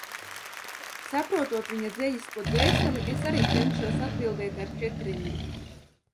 Saprotot viņa dzejisko dvēseli, es arī cenšos atbildēt ar četrrindi.